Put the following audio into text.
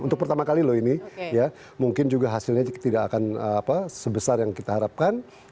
untuk pertama kali loh ini ya mungkin juga hasilnya tidak akan sebesar yang kita harapkan